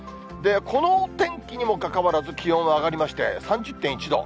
この天気にもかかわらず、気温は上がりまして３０．１度。